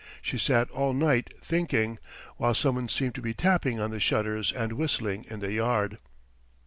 She sat all night thinking, while someone seemed to be tapping on the shutters and whistling in the yard.